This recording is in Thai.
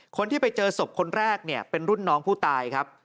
คนที่ไปเจอศพคนแรกเนี่ยเป็นรุ่นน้องผู้ตายครับ